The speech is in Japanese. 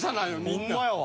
みんな。